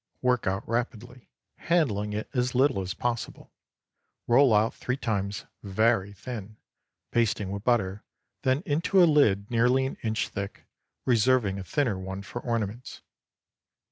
Work out rapidly, handling as little as possible, roll out three times very thin, basting with butter, then into a lid nearly an inch thick, reserving a thinner one for ornaments.